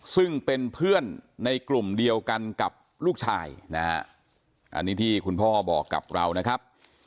ซึ่งเป็นเพื่อนในกลุ่มเดียวกันกับลูกชายนะฮะอันนี้ที่คุณพ่อบอกกับเรานะครับ